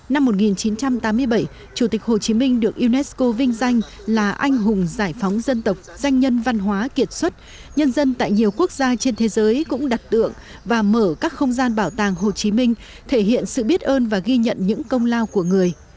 năm một nghìn chín trăm tám mươi bảy chủ tịch hồ chí minh được unesco vinh danh là anh hùng giải phóng dân tộc danh nhân văn hóa kiệt xuất nhân dân tại nhiều quốc gia trên thế giới cũng đặt tượng và mở các không gian bảo tàng hồ chí minh thể hiện sự biết ơn và ghi nhận những công lao của người